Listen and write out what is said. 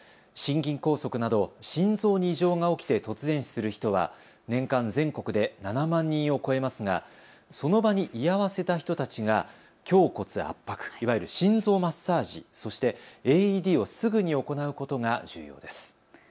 心筋梗塞など心臓に異常が起きて突然死する人は年間、全国で７万人を超えますがその場に居合わせた人たちが胸骨圧迫、いわゆる心臓マッサージ、そしてＡＥＤをすぐに行うことが重要です。